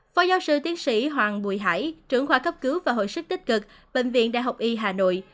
phó giáo sư tiến sĩ hoàng bùi hải trưởng khoa cấp cứu và hồi sức tích cực bệnh viện đại học y hà nội